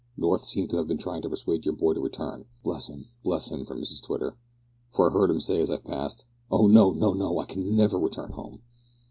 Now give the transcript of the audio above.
North seemed to have been trying to persuade your boy to return," ("bless him! bless him!" from Mrs Twitter), "for I heard him say as I passed `Oh! no, no, no, I can never return home!'"